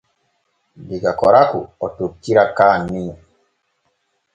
Diga Koraku o tokkira Kaanni.